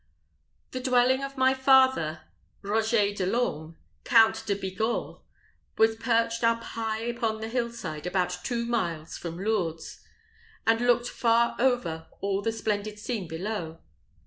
The dwelling of my father, Roger De l'Orme, Count de Bigorre, was perched up high upon the hill side, about two miles from Lourdes, and looked far over all the splendid scene below.